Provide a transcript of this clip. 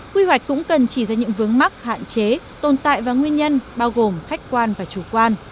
quy hoạch cũng cần chỉ ra những vướng mắc hạn chế tồn tại và nguyên nhân bao gồm khách quan và chủ quan